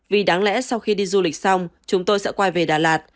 vì đáng lẽ sau khi đi du lịch xong chúng tôi sẽ quay về đà lạt